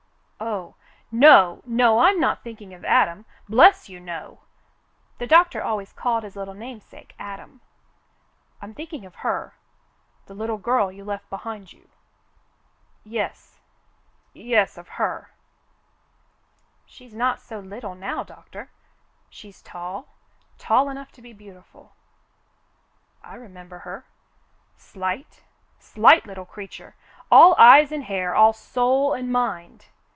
"Oh, no, no, I'm not thinking of Adam, bless you, no." The doctor always called his little namesake Adam. "I'm thinking of her — the little girl you left behind you. Yes — yes. Of her." 212 Doctor Hoyle speaks his Mind 213 "She's not so little now, Doctor ; she's tall — tall enough to be beautiful." "I remember her, — slight — slight little creature, all eyes and hair, all soul and mind.